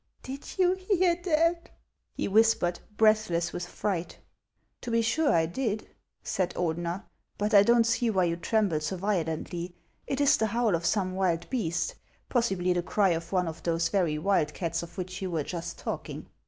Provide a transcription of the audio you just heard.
" Did you hear that ?" he whispered, breathless with fright. " To be sure I did/' said Ordener ;" but I don't see why you tremble so violently. It is the howl of some wild beast, possibly the cry of one of those very wildcats of which you were just talking.